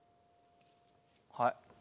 はい。